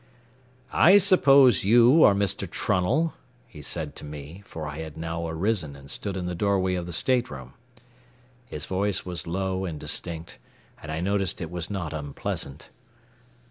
"I suppose you are Mr. Trunnell," he said to me, for I had now arisen and stood in the doorway of the stateroom. His voice was low and distinct, and I noticed it was not unpleasant.